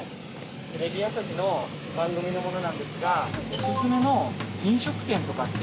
テレビ朝日の番組の者なんですがオススメの飲食店とかって。